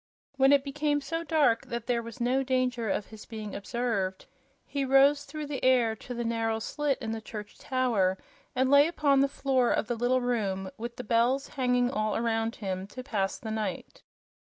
When it became so dark that there was no danger of his being observed, he rose through the air to the narrow slit in the church tower and lay upon the floor of the little room, with the bells hanging all around him, to pass the night.